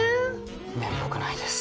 面目ないです。